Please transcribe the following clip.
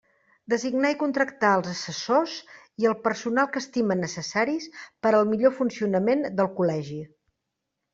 Designar i contractar els assessors, i el personal que estime necessaris, per al millor funcionament del Col·legi.